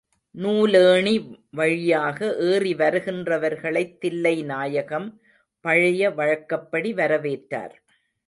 நூலேணி வழியாக ஏறிவருகின்றவர்களைத் தில்லைநாயகம் பழைய வழக்கப்படி வரவேற்றார்.